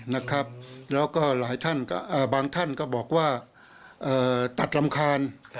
แล้วก็บางท่านก็บอกว่าตัดรำคาญ